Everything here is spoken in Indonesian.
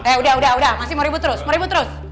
eh udah udah udah masih mau ribut terus